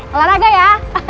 kelar naga ya